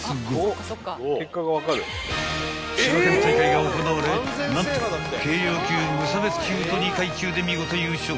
［千葉県大会が行われ何と軽量級無差別級と２階級で見事優勝］